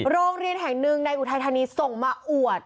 โรงเรียนแห่งหนึ่งในอุทัยธานีส่งมาอวด